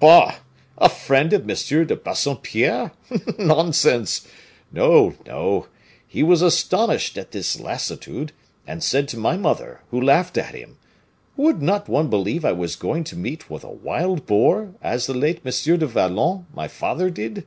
"Bah! A friend of M. de Bassompierre, nonsense! No, no, he was astonished at this lassitude, and said to my mother, who laughed at him, 'Would not one believe I was going to meet with a wild boar, as the late M. du Vallon, my father did?